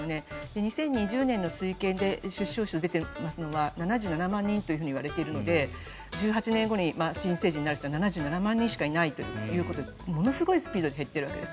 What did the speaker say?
２０２０年の推計で出生数が出ているのは７７万人といわれているので１８年後に新成人になるのは７７万人しかないということでものすごいスピードで進んでいるわけです。